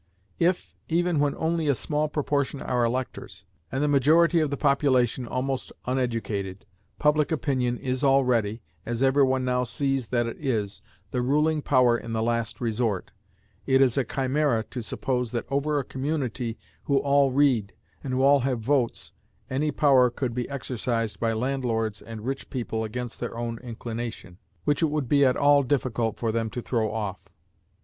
If, even when only a small proportion are electors, and the majority of the population almost uneducated, public opinion is already, as every one now sees that it is, the ruling power in the last resort, it is a chimera to suppose that over a community who all read, and who all have votes, any power could be exercised by landlords and rich people against their own inclination, which it would be at all difficult for them to throw off.